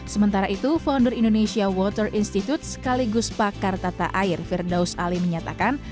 sementara itu founder indonesia water institute sekaligus pakar tata air firdaus ali menyatakan